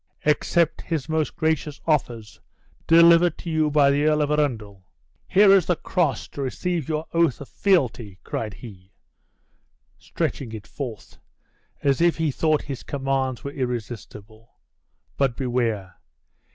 Accept his most gracious offers, delivered to you by the Earl of Arundel. Here is the cross, to receive your oath of fealty," cried he, stretching it forth, as if he thought his commands were irrestible; "but beware!